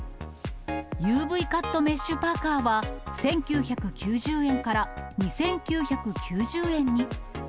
ＵＶカットメッシュパーカは１９９０円から２９９０円に。